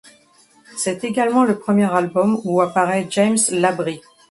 C'est également le premier album où apparaît James LaBrie.